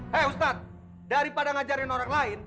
hei ustadz daripada ngajarin orang lain